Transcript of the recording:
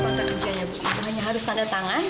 hanya harus tanda tangan